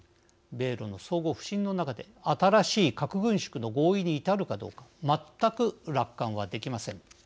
米ロの相互不信の中で新しい核軍縮の合意に至るかどうか全く楽観はできません。